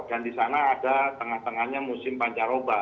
dan di sana ada tengah tengahnya musim pancaroba